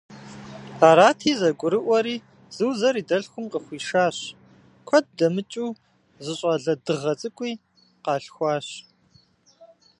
Арати, зэгурыӏуэри Зузэр и дэлъхум къыхуишащ, куэд дэмыкӏыу зы щӏалэ дыгъэ цӏыкӏуи къалъхуащ.